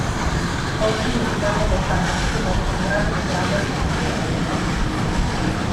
Oggi l'interno del palazzo versa in grave degrado architettonico.